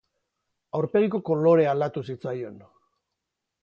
Aurpegiko kolorea aldatu zitzaion.